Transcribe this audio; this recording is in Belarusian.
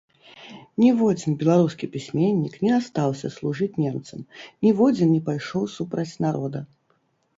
Ніводзін беларускі пісьменнік не астаўся служыць немцам, ніводзін не пайшоў супраць народа.